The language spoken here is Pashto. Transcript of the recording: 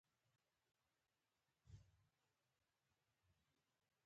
د شیرینو څخه یې مچه واخیسته.